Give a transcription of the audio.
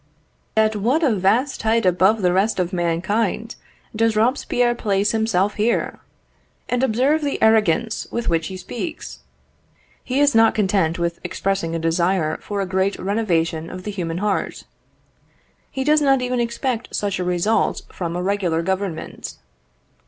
At what a vast height above the rest of mankind does Robespierre place himself here! And observe the arrogance with which he speaks. He is not content with expressing a desire for a great renovation of the human heart, he does not even expect such a result from a regular Government.